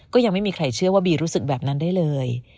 ก็ยังไม่มีใครเชื่อว่าบีรู้สึกแบบนั้นได้เลย